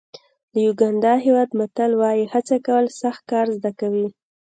د یوګانډا هېواد متل وایي هڅه کول سخت کار زده کوي.